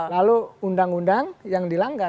lalu undang undang yang dilanggar